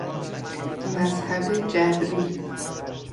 مذهب جبری